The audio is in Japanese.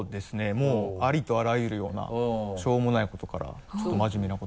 もうありとあらゆるようなしょうもないことからちょっと真面目なことまで。